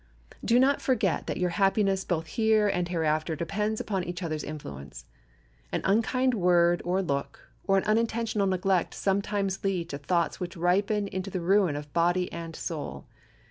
Do not forget that your happiness both here and hereafter depends upon each other's influence. An unkind word or look, or an unintentional neglect sometimes lead to thoughts which ripen into the ruin of body and soul.